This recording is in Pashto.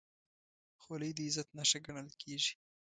خولۍ د عزت نښه ګڼل کېږي.